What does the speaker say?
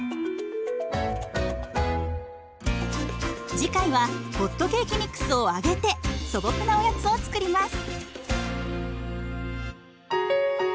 次回はホットケーキミックスを揚げて素朴なおやつを作ります。